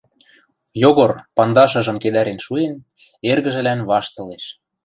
Йогор, пандашыжым кедӓрен шуэн, эргӹжӹлӓн ваштылеш.